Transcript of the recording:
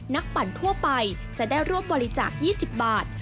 ปั่นทั่วไปจะได้ร่วมบริจาค๒๐บาท